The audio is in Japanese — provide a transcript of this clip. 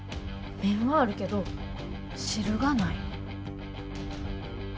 麺はあるけど汁がない。